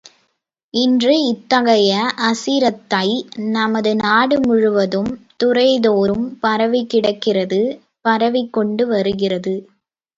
இன்று இத்தகைய அசிரத்தை நமதுநாடு முழுவதும் துறைதோறும் பரவிக்கிடக்கிறது பரவிக்கொண்டு வருகிறது.